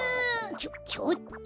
ちょちょっと。